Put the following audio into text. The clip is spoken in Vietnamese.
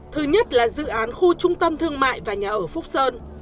thứ nhất là dự án khu trung tâm thương mại và nhà ở phúc sơn